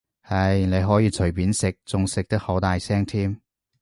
係，你可以隨便食，仲食得好大聲添